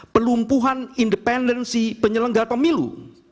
pelumpuhan independensi penyelenggara pemilu